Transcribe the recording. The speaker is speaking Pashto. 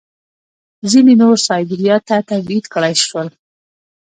ځینې نور سایبیریا ته تبعید کړای شول